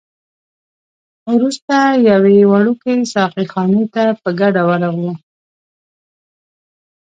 وروسته یوې وړوکي ساقي خانې ته په ګډه ورغلو.